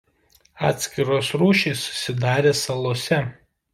Atskiros rūšys susidarė salose.